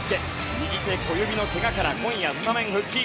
右手小指のけがから今夜スタメン復帰。